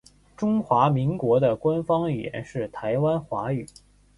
中华民国的官方语言是台湾华语。